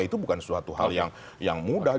itu bukan suatu hal yang mudah